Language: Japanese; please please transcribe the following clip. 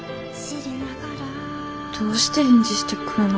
どうして返事してくれないの？